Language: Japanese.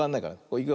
いくよ。